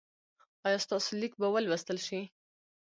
ایا ستاسو لیک به ولوستل شي؟